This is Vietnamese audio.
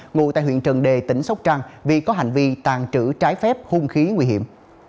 ngụ tại huyện trần đề tỉnh sóc trăng vì có hành vi tàn trữ trái phép hung khí nguy hiểm